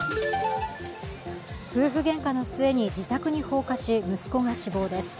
夫婦げんかの末に自宅に放火し息子が死亡です。